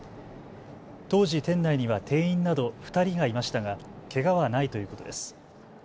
当時、店内には店員など２人がいましたがけがはないということです。